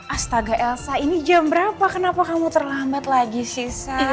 astaga elsa ini jam berapa kenapa kamu terlambat lagi she